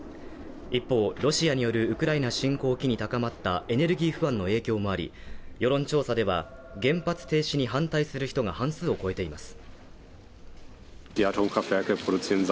一方、ロシアによるウクライナ侵攻を機に高まったエネルギー不安の影響もあり、世論調査では、原発停止に反対する人が半数を超えています。